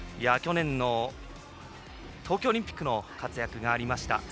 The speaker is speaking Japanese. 去年の東京オリンピックの活躍がありました。